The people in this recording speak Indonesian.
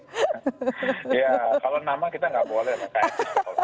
ya kalau nama kita nggak boleh